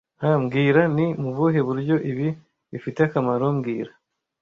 Huh mbwira Ni mu buhe buryo ibi bifite akamaro mbwira (